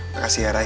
makasih ya ray